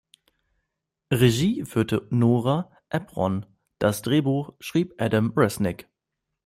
Regie führte Nora Ephron, das Drehbuch schrieb Adam Resnick.